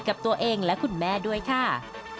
กับตัวเองและคุณแม่ด้วยค่ะ